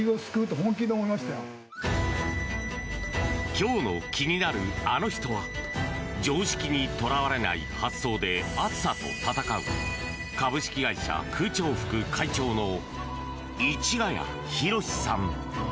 今日の気になるアノ人は常識にとらわれない発想で暑さと闘う株式会社空調服会長の市ヶ谷弘司さん。